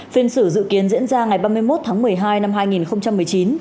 phiên xử dự kiến diễn ra ngày ba mươi một tháng một mươi hai năm hai nghìn một mươi chín